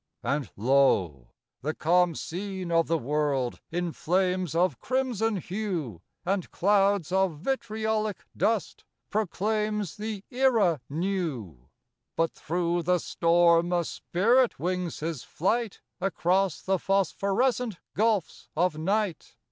f ......... And lo, the Khamsin of the world, in flames Of crimson hue And clouds of vitriolic dust, proclaims The era new; But through the storm a spirit wings his flight Across the phosphorescent gulfs of night.